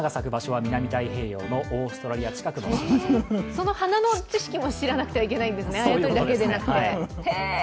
その花の知識も知らなくてはいけないんですね、あやとりだけではなくて。